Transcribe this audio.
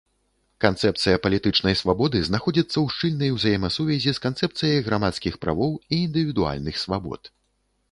Канцэпцыя палітычнай свабоды знаходзіцца ў шчыльнай узаемасувязі з канцэпцыяй грамадскіх правоў і індывідуальных свабод.